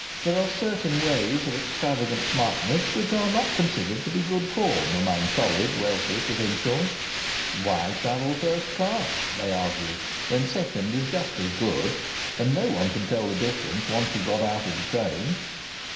There are certain ways of extravagant smartness which are not considered to be good form among solid wealthy provincials. Why travel first class (they argue) when second is just as good and no one can tell the difference once you get out of the train?